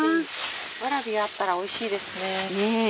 ワラビあったらおいしいですね。